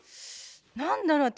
何だろう？